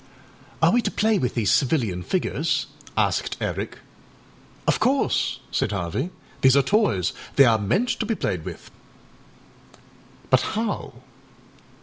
â âAre we to play with these civilian figures?â asked Eric. âOf course,â said Harvey, âthese are toys; they are meant to be played with.â âBut how?